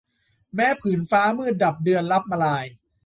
แม้ผืนฟ้ามืดดับเดือนลับมลาย